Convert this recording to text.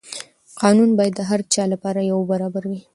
قانون باید د هر چا لپاره یو برابر وي.